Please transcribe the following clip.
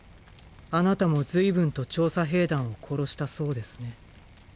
あなたも随分と調査兵団を殺したそうですね。